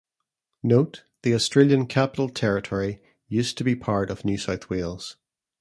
Note: the Australian Capital Territory used to be part of New South Wales.